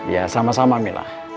ya sama sama mila